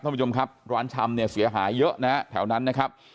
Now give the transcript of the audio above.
ผู้ชมครับร้านชำเนี่ยเสียหายเยอะนะฮะแถวนั้นนะครับ